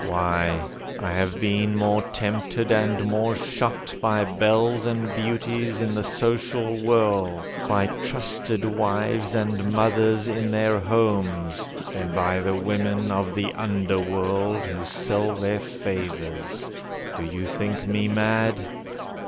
Why, I have been more tempted and more shocked By belles and beauties in the social whirl, By trusted wives and mothers in their homes, Than by the women of the underworld Who sell their favours. Do you think me mad?